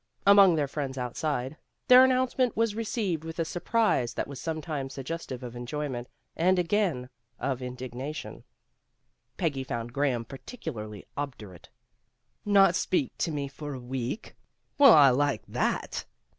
Among their friends outside, their announcement was 113 114 PEGGY RAYMOND'S WAY received with a surprise that was sometimes suggestive of enjoyment, and again of indigna tion. Peggy found Graham particularly obdurate. "Not to speak to me for a week? Well, I like that!"